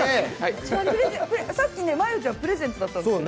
さっき真悠ちゃんプレゼントだった。